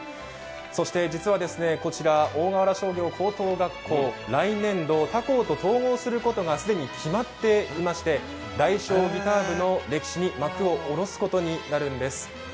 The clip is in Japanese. そして実はこちら大河原商業高等学校、来年度、他校と統合することが既に決まっていまして、大商ギター部の歴史に幕を下ろすことになるんです。